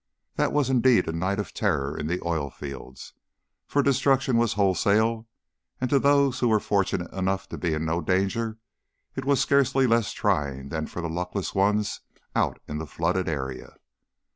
That was indeed a night of terror in the oil fields, for destruction was wholesale, and to those who were fortunate enough to be in no danger it was scarcely less trying than for the luckless ones out in the flooded area.